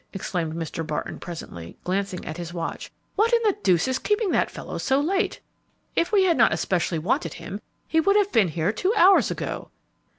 exclaimed Mr. Barton, presently, glancing at his watch; "what in the deuce is keeping that fellow so late? If we had not especially wanted him, he would have been here two hours ago."